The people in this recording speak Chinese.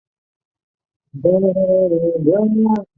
缅甸莱比塘铜矿。